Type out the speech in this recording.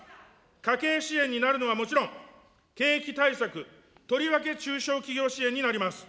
家計支援になるのはもちろん、景気対策、とりわけ中小企業支援になります。